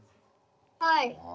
はい。